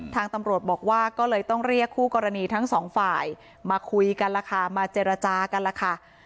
ทางตำรวจบอกว่าก็เลยต้องเรียกคู่กรณีทั้งสองฝ่ายมาคุยกันล่ะค่ะมาเจรจากันล่ะค่ะ